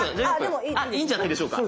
あいいんじゃないでしょうか。